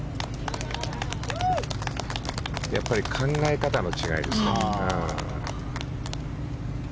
やっぱり考え方の違いですね。